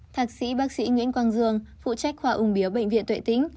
thạc sĩ bác sĩ nguyễn quang dương phụ trách khoa ung biếu bệnh viện tuệ tĩnh